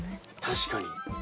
確かに。